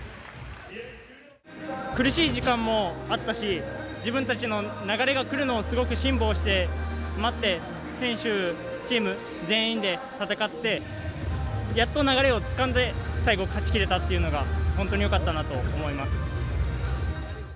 苦しい時間もあったし自分たちの流れがくるのをすごい辛抱して待って選手、チーム全員で戦ってやっと流れをつかんで最後勝ちきれたというのが本当によかったなと思います。